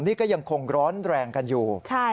นี่ก็ยังคงร้อนแรงกันอยู่